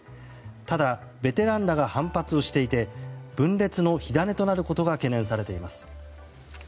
ただ、ベテランらが反発していて分裂の火種となることが懸念されています。